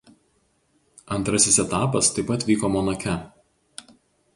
Antrasis etapas taip pat vyko Monake.